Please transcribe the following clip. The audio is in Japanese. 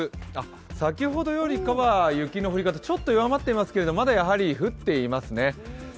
先ほどよりかは雪の降り方ちょっと弱まってますけどまだやはり降っていますね。